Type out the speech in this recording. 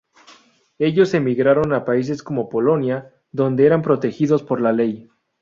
Ellos emigraron a países como Polonia, donde eran protegidos por la ley.